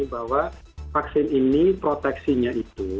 bahwa vaksin ini proteksinya itu